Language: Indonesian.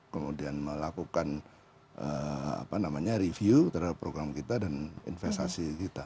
kemudian melakukan review terhadap program kita dan investasi kita